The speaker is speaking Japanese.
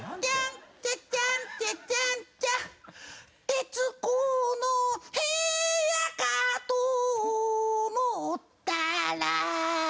「『徹子の部屋』かと思ったら」